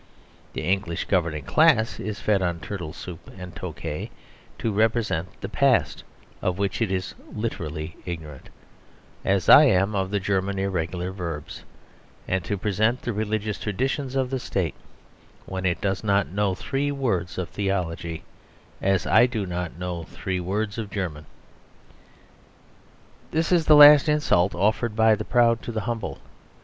The English governing class is fed on turtle soup and Tokay to represent the past, of which it is literally ignorant, as I am of German irregular verbs; and to represent the religious traditions of the State, when it does not know three words of theology, as I do not know three words of German. This is the last insult offered by the proud to the humble.